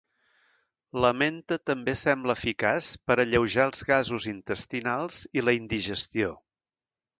La menta també sembla eficaç per alleujar els gasos intestinals i la indigestió.